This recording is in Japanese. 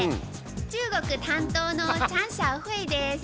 中国担当のチアン・シアオフィです。